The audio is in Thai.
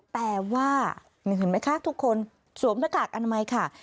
แต่ว่าเห็นไหมคะทุกคนสวมหน้ากากอนามัยค่ะ